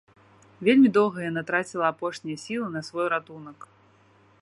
Вельмі доўга яна траціла апошнія сілы на свой ратунак.